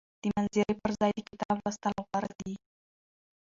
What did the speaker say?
د مناظرې پر ځای د کتاب لوستل غوره دي.